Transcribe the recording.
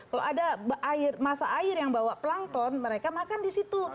kalau ada masa air yang bawa pelangton mereka makan di situ